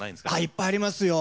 いっぱいありますよ。